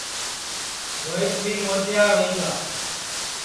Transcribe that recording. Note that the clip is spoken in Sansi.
روہیت بی موٹیار ہوئی گا